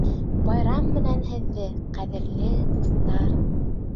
Байрам менән һеҙҙе, ҡәҙерле дуҫтар!